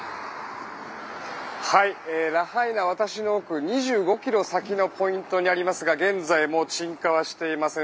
ラハイナ、私の奥２５ｋｍ先のポイントにありますが現在も鎮火はしていません。